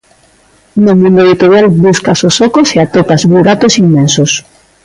"No mundo editorial buscas os ocos e atopas buracos inmensos".